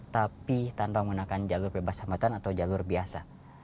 tapi tanpa menggunakan jalur bebas hambatan atau jalur biasa